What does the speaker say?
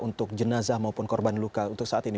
untuk jenazah maupun korban luka untuk saat ini